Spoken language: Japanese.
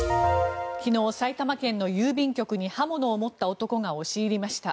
昨日、埼玉県の郵便局に刃物を持った男が押し入りました。